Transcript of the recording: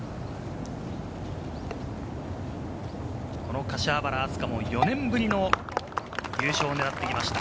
この柏原明日架も４年ぶりの優勝を狙っていました。